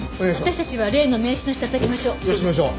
私たちは例の名刺の人当たりましょう。